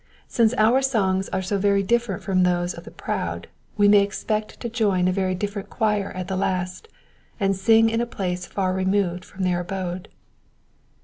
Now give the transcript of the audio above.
Since our songs are so very different from those of the proud, we may expect to join a very different choir at the last, and sing in a place far removed from their abode.